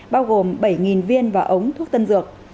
bao gồm bảy viên và ống thuốc tân dược